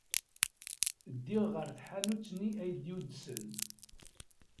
Ddiɣ ɣer tḥanut-nni ay d-yudsen.